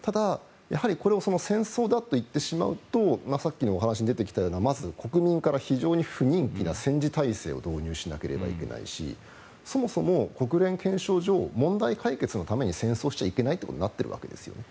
ただ、これを戦争だと言ってしまうとさっきの話に出てきたような国民に不人気な戦時体制を導入しなきゃいけないしそもそも国連憲章上問題解決のために戦争しちゃいけないということになっているわけですね。